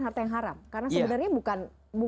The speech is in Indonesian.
harta yang haram karena sebenarnya bukan